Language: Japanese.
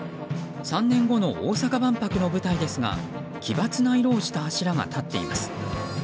３年後の大阪万博の舞台ですが奇抜な色をした柱が立っています。